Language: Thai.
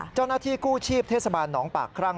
เจ้าหน้าที่กู้ชีพเทศบาลหนองปากครั่ง